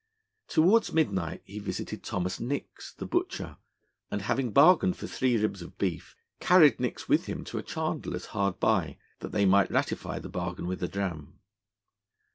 Towards midnight he visited Thomas Nicks, the butcher, and having bargained for three ribs of beef, carried Nicks with him to a chandler's hard by, that they might ratify the bargain with a dram.